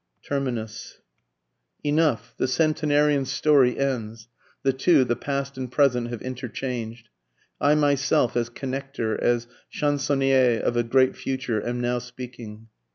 Terminus. Enough, the Centenarian's story ends, The two, the past and present, have interchanged, I myself as connecter, as chansonnier of a great future, am now speaking.